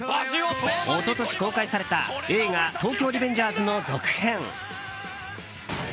一昨年公開された映画「東京リベンジャーズ」の続編。